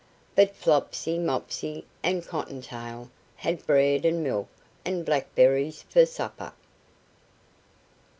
But Flopsy, Mopsy, and Cotton tail had bread and milk and blackberries for supper.